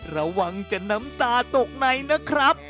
ระวังจะน้ำตาตกในนะครับ